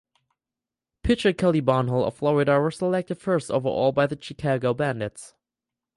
Pitcher Kelly Barnhill of Florida was selected first overall by the Chicago Bandits.